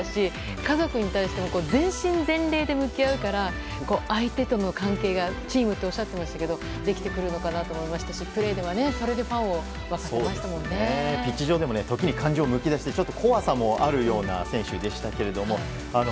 家族に対しても全身全霊で向き合うから相手との関係が、チームとおっしゃっていましたけどそれでできてくるのかなと思いましたしピッチ上でも時に感情むき出しでちょっと怖さもあるような選手でしたけれども。